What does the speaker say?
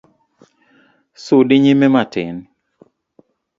Sudi nyime matin.